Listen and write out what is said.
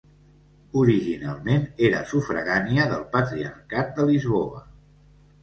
Originalment era sufragània del Patriarcat de Lisboa.